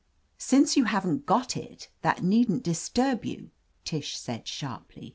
"Since you haven't got it, that needn't dis turb you," Tish said sharply.